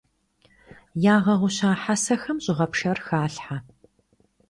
Ягъэгъуща хьэсэхэм щӀыгъэпшэр халъхьэ.